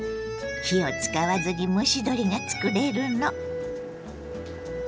火を使わずに蒸し鶏が作れるの。